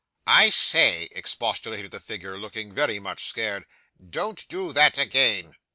'"I say," expostulated the figure, looking very much scared; "don't do that again."